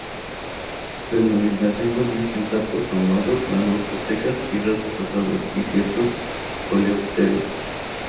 La alimentación consiste en sapos ahumados, langostas secas, ratas asadas y ciertos coleópteros.